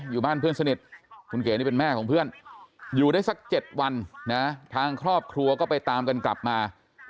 อยู่บ้านเพื่อนสนิทคุณเก๋นี่เป็นแม่ของเพื่อนอยู่ได้สัก๗วันนะทางครอบครัวก็ไปตามกันกลับมา